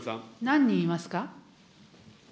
何人いますか。